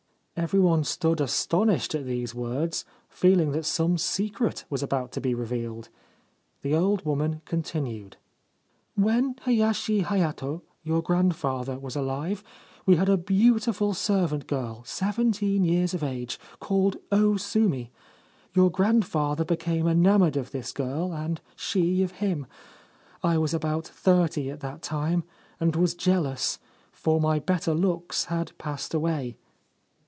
Every one stood astonished at these words, feeling that some secret was about to be revealed. The old woman continued :' When Hayashi Hayato, your grandfather, was alive, we had a beautiful servant girl, seventeen years of age, called O Sumi. Your grandfather became enamoured of this girl, and she of him. I was about thirty at that time, and was jealous, for my better looks had passed away.